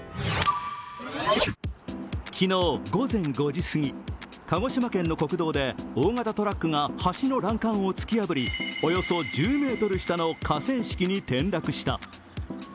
昨日午前５時すぎ鹿児島県の国道で、大型トラックが橋の欄干を突き破りおよそ１０ｍ下の河川敷に転落した。